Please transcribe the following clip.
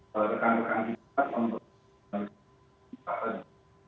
dan tekan tekan kita untuk melihat kesempatan di situ